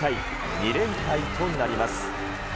２連敗となります。